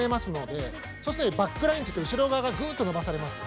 そうするとねバックラインっていって後ろ側がグッと伸ばされます。